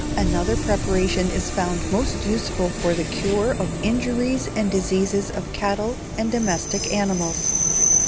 Another preparation is found most useful for the cure of injuries and diseases of cattle and domestic animals.